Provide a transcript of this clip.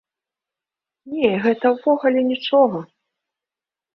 Не, гэта ўвогуле нічога.